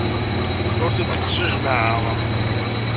Ur ten-id-snejmaɛeɣ.